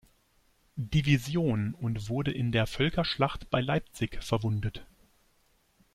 Division und wurde in der Völkerschlacht bei Leipzig verwundet.